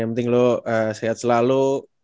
yang penting lo sehat selalu